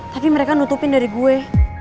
tapi mereka nutupin dari gue